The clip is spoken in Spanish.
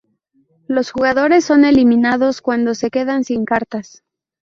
Los jugadores son eliminados cuando se quedan sin cartas.